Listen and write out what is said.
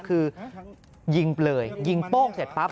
คือยิงเลยยิงโป้งเสร็จปั๊บ